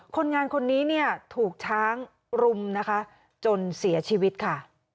คนงานคนนี้เนี่ยถูกช้างรุมนะคะจนเสียชีวิตค่ะ